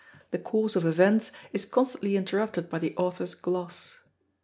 The course of events is constantly interrupted by the author's gloss.